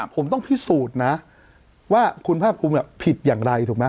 ผมต้องพิสูจน์นะว่าคุณภาคภูมิผิดอย่างไรถูกไหม